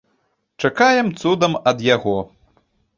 Чакаем цудам ад яго.